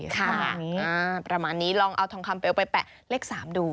ค่ะประมาณนี้ลองเอาทองคำเปลวไปแปะเลข๓ดู